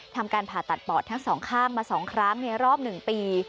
ทำการผ่าตัดปอดทั้งสองข้างมา๒ครั้งในรอบ๑ปี